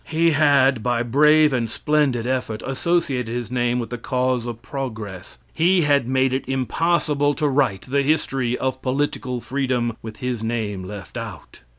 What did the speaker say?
He had, by brave and splendid effort, associated his name with the cause of progress. He had made it impossible to write the history of political freedom with his name left out.